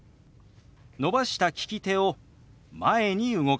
伸ばした利き手を前に動かします。